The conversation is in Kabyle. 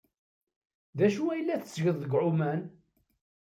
D acu ay la tettgeḍ deg ɛuman?